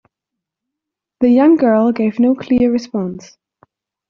The young girl gave no clear response.